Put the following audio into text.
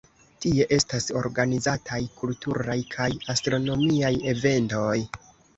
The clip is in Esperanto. Tie estas organizataj kulturaj kaj astronomiaj eventoj.